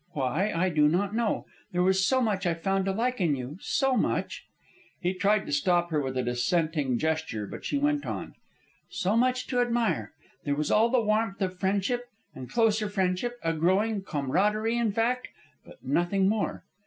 Why, I do not know. There was so much I found to like in you, so much " He tried to stop her with a dissenting gesture, but she went on. "So much to admire. There was all the warmth of friendship, and closer friendship, a growing camaraderie, in fact; but nothing more.